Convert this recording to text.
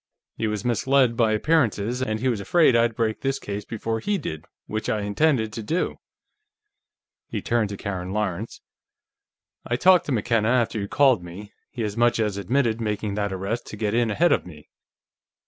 He was misled by appearances, and he was afraid I'd break this case before he did, which I intend to do." He turned to Karen Lawrence. "I talked to McKenna after you called me; he as much as admitted making that arrest to get in ahead of me."